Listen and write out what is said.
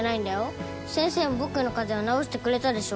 先生も僕の風邪を治してくれたでしょ。